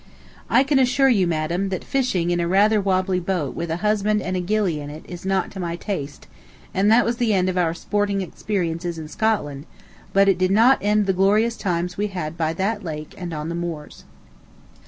I can assure you, madam, that fishing in a rather wobbly boat with a husband and a gilly in it, is not to my taste, and that was the end of our sporting experiences in Scotland, but it did not end the glorious times we had by that lake and on the moors.